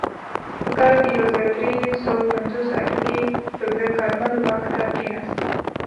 په کال یو زر درې سوه پنځوس اته کې ببرک کارمل واک ته کښېناست.